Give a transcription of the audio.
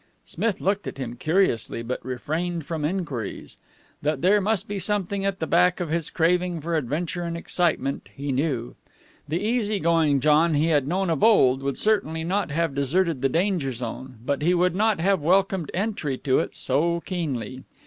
Smith looked at him curiously, but refrained from enquiries. That there must be something at the back of this craving for adventure and excitement, he knew. The easy going John he had known of old would certainly not have deserted the danger zone, but he would not have welcomed entry to it so keenly.